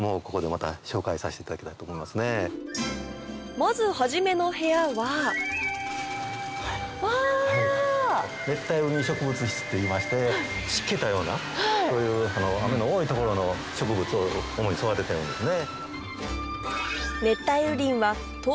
まず初めの部屋はわぁ！っていいまして湿気たようなそういう雨の多い所の植物を主に育ててるんですね。